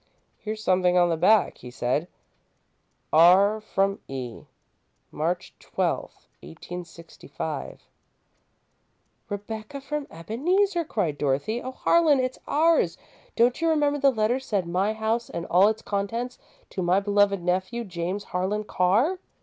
"Here's something on the back," he said. "'R. from E., March 12, 1865.'" "Rebecca from Ebeneezer," cried Dorothy. "Oh, Harlan, it's ours! Don't you remember the letter said: 'my house and all its contents to my beloved nephew, James Harlan Carr'?"